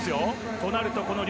となるとロ